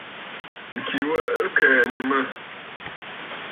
Ŋ̀ki wa ɨ kɛ̀ɛ̀nə̀ mə̂.